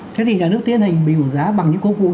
thế thì nhà nước tiến hành bình ổn giá bằng những cơ cụ gì